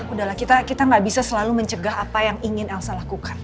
udahlah kita gak bisa selalu mencegah apa yang ingin elsa lakukan